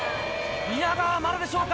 宮川はまだでしょうか？